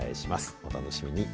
お楽しみに。